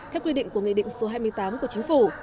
theo quy định của nghị định số hai mươi tám của chính phủ